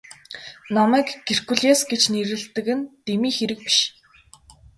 Намайг Геркулес гэж нэрлэдэг нь дэмий хэрэг биш.